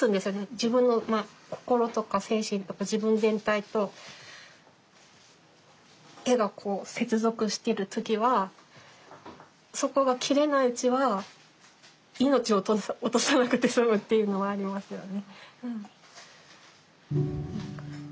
自分の心とか精神とか自分全体と絵がこう接続している時はそこが切れないうちは命を落とさなくて済むっていうのはありますよね。